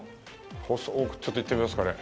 細く、ちょっと行ってみますかね。